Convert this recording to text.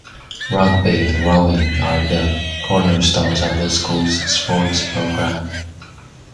Rugby and rowing are the cornerstones of the school's sports programme.